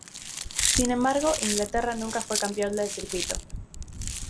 Sin embargo, Inglaterra nunca fue campeón del circuito.